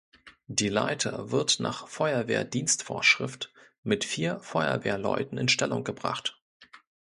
Die Leiter wird nach Feuerwehrdienstvorschrift mit vier Feuerwehrleuten in Stellung gebracht.